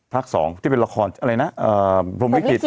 ภาค๒ที่เป็นละครอะไรนะภพธุลิกฤต